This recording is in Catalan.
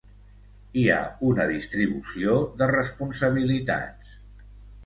Hi ha una distribució de responsabilitats.